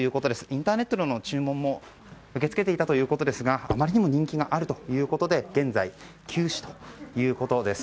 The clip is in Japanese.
インターネットなどでの注文も受け付けていたということですがあまりにも人気があるということで現在休止ということです。